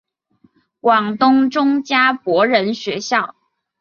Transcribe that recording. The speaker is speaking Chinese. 广东中加柏仁学校。